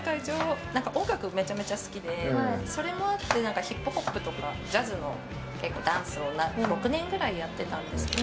音楽がめちゃめちゃ好きでそれもあって、ヒップホップとかジャズのダンスを６年くらいやってたんですけど。